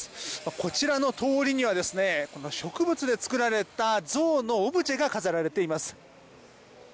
こちらの通りには植物で作られたゾウのオブジェが飾られています。